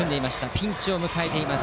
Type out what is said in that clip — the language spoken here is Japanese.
ピンチを迎えています。